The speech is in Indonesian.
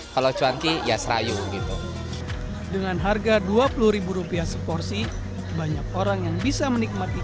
kalau cuanki ya serayu gitu dengan harga dua puluh rupiah seporsi banyak orang yang bisa menikmati